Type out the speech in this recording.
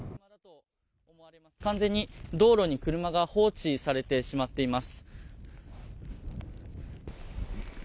完全に道路に車が放置されてしまっています。